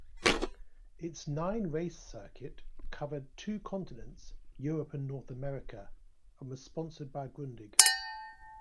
Its nine-race circuit covered two continents-Europe and North America-and was sponsored by Grundig.